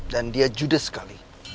dan dia jude sekali